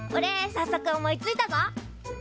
さっそく思いついたぞ！